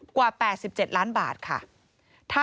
กว่า๘๗ล้านบาท